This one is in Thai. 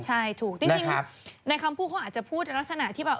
ใช่ถูกจริงในคำพูดเขาอาจจะพูดในลักษณะที่แบบ